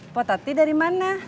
po tatty dari mana